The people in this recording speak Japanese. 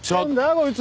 こいつ。